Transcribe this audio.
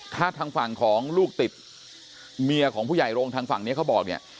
ถ้าทางฝั่งของลูกติดเมียของผู้ใหญ่โรงทางฝั่งนี้เขาบอกเนี่ย